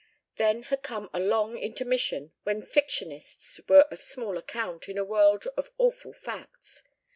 Then had come a long intermission when fictionists were of small account in a world of awful facts.